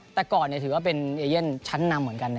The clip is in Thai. แต่ก่อนถือว่าเป็นเอเย่นชั้นนำเหมือนกัน